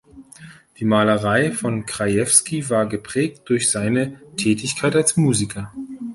Die Malerei von Krajewski war geprägt durch seine Tätigkeit als Musiker.